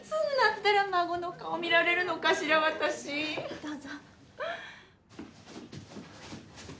どうぞ。